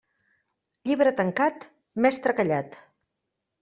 Llibre tancat, mestre callat.